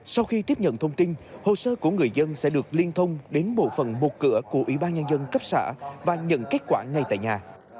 sau khi tiếp nhận thông tin hồ sơ của người dân sẽ được liên thông đến bộ phận một cửa của ủy ban nhân dân cấp xã và nhận kết quả ngay tại nhà